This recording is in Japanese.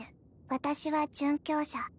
私は殉教者。